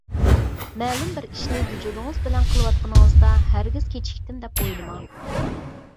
مەلۇم بىر ئىشنى ۋۇجۇدىڭىز بىلەن قىلىۋاتقىنىڭىزدا، ھەرگىز كېچىكتىم دەپ ئويلىماڭ.